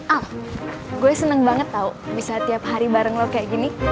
ah gue seneng banget tau bisa tiap hari bareng lo kayak gini